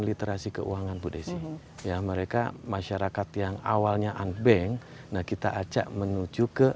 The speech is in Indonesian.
literasi keuangan budesnya ya mereka masyarakat yang awalnya and bank nah kita ajak menuju ke